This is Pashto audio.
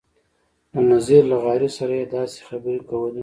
له نذیر لغاري سره یې داسې خبرې کولې.